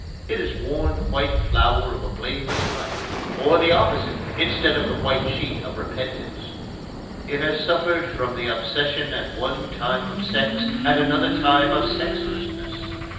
It has worn the white flower of a blameless life or the opposite instead of the white sheet of repentance. It has suffered from the obsession at one time of sex, at another time of sexlessness.